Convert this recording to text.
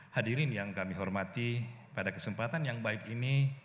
hadirin yang kami hormati pada kesempatan yang baik ini